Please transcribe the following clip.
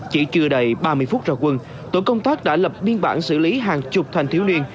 chỉ chưa đầy ba mươi phút ra quân tổ công tác đã lập biên bản xử lý hàng chục thanh thiếu niên